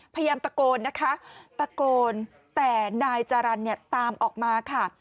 พยายามตะโกนนะคะตะโกนแต่นายจารันเนี่ยตามออกมาค่ะ